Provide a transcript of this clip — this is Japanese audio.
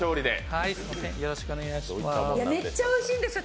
めっちゃおいしいんですよ